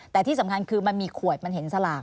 แต่ที่สำคัญคือมันมีขวดมันเห็นสลาก